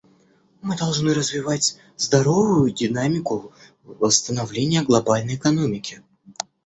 Мы должны развивать здоровую динамику восстановления глобальной экономики.